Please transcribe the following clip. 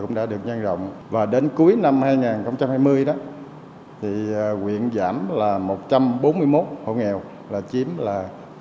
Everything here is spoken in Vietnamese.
cũng đã được nhanh rộng và đến cuối năm hai nghìn hai mươi đó thì nguyện giảm là một trăm bốn mươi một hộ nghèo là chiếm là bốn mươi sáu